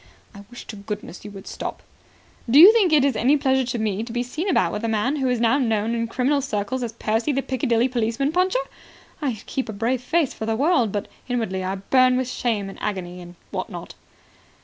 "I wish to goodness you would stop." "Do you think it is any pleasure to me to be seen about with a man who is now known in criminal circles as Percy, the Piccadilly Policeman Puncher? I keep a brave face before the world, but inwardly I burn with shame and agony and what not."